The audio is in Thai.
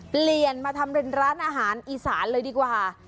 เปลี่ยนมาทำเป็นร้านอาหารอีสานเลยดีกว่า